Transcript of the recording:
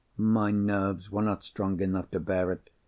My nerves were not strong enough to bear it.